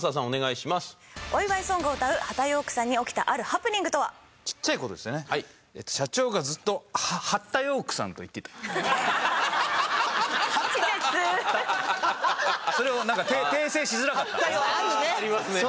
お願いします。